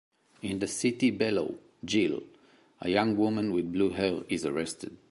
In the city below, Jill, a young woman with blue hair is arrested.